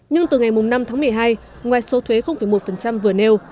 nhưng từ ngày năm tháng một mươi hai ngoài số thuế một vừa nêu